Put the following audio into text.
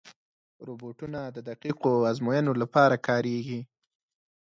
روبوټونه د دقیقو ازموینو لپاره کارېږي.